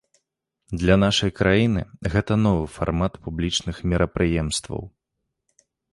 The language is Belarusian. Для нашай краіны гэта новы фармат публічных мерапрыемстваў.